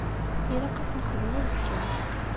Ilaq ad t-nexdem azekka.